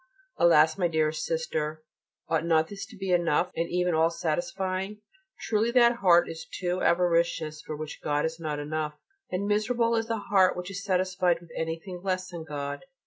Alas! my dearest Sister, ought not this to be enough and even all satisfying? Truly that heart is too avaricious for which God is not enough: and miserable is the heart which is satisfied with anything less than God.